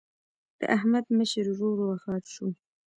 د احمد مشر ورور وفات شو.